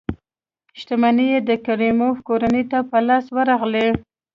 شتمنۍ یې د کریموف کورنۍ ته په لاس ورغلې.